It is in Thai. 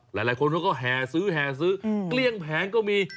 หลายคนก็แห่ซื้อมาแกล้งแผงก็มี